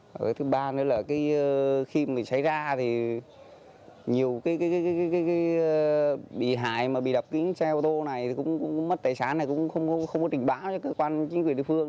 cái thứ ba nữa là khi xảy ra thì nhiều cái bị hại mà bị đập xe ô tô này mất tài sản này cũng không có trình báo cho các quan chính quyền địa phương